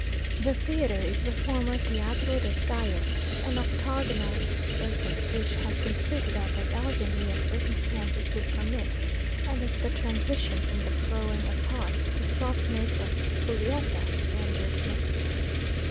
The theatre is the former Teatro des Gallos, an octagonal circus, which has been fitted up as elegantly as circumstances would permit, and as the transition from the crowing of cocks to the soft notes of Giulietta rendered necessary.